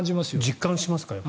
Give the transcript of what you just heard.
実感しますか？